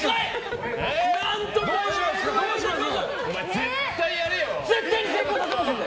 絶対やれよ。